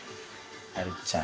あるちゃん。